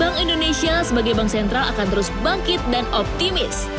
bank indonesia sebagai bank sentral akan terus bangkit dan optimis